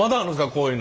こういうの。